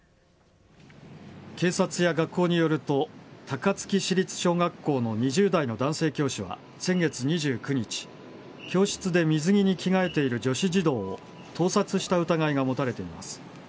警察や学校によると高槻市立小学校の２０代の男性教師は先月２９日教室で水着に着替えている女子児童を盗撮した疑いが持たれています。